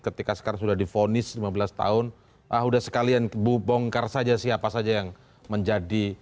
ketika sekarang sudah divonis lima belas tahun ah udah sekalian bu bongkar saja siapa saja yang menjadi